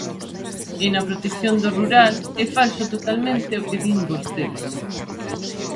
E na protección do rural, é falso totalmente o que din vostedes.